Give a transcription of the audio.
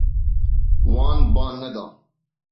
Wan ba neda.